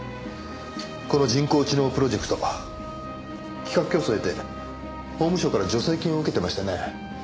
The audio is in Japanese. この人工知能プロジェクト企画競争を経て法務省から助成金を受けてましたよね？